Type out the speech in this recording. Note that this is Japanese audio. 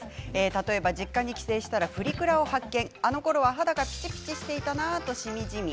例えば実家に帰省したらプリクラを発見、あのころは肌がピチピチしていたなとしみじみ。